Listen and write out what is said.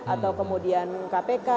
atau kemudian kpk